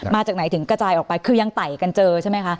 มาจากไหนถึงกระจายออกไปคือยังไต่กันเจอใช่ไหมคะ